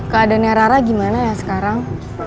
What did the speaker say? keadaannya rara gimana ya sekarang